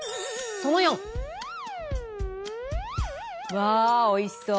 わあおいしそう。